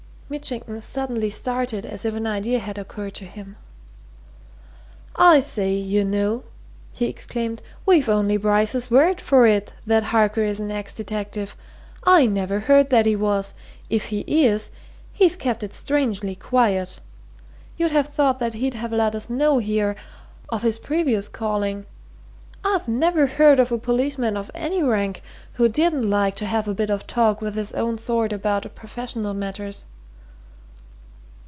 Mitchington suddenly started as if an idea had occurred to him. "I say, you know!" he exclaimed. "We've only Bryce's word for it that Harker is an ex detective. I never heard that he was if he is, he's kept it strangely quiet. You'd have thought that he'd have let us know, here, of his previous calling I never heard of a policeman of any rank who didn't like to have a bit of talk with his own sort about professional matters."